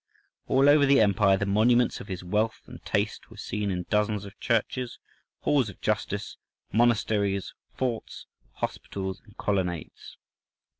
All over the empire the monuments of his wealth and taste were seen in dozens of churches, halls of justice, monasteries, forts, hospitals, and colonnades.